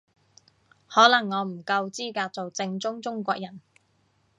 可能我唔夠資格做正宗中國人